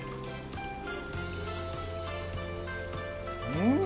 うん！